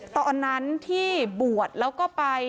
ตอนนั้นที่บวชแล้วก็ไป